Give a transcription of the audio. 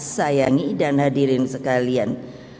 sayangi dan hadirin sekarang